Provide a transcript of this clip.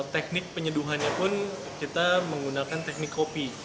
teknik penyeduhannya pun kita menggunakan teknik kopi